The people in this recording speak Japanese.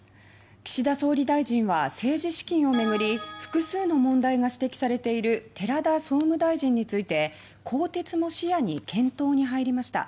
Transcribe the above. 岸田総理大臣は政治資金を巡り複数の問題が指摘されている寺田総務大臣について更迭も視野に検討に入りました。